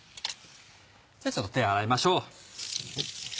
ちょっと手洗いましょう。